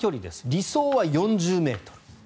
理想は４０ｍ。